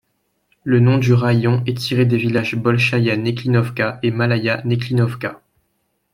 Le nom du raïon est tiré des villages Bolchaïa Neklinovka et Malaïa Neklinovka.